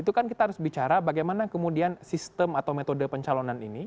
itu kan kita harus bicara bagaimana kemudian sistem atau metode pencalonan ini